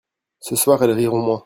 Ce soir elles riront moins.